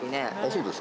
そうです